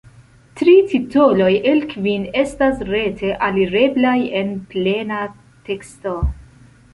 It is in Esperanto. Tri titoloj el kvin estas rete alireblaj en plena teksto.